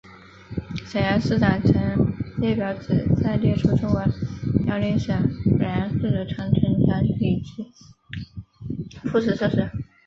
沈阳市长城列表旨在列出中国辽宁省沈阳市的长城墙体及附属设施。